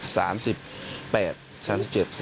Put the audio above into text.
สามสิบแปดสามสิบเจ็ดครับ